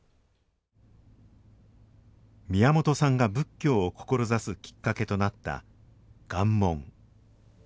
宮本さんが仏教を志すきっかけとなった「願文」。